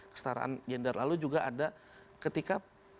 kestaraan gender lalu juga ada ketika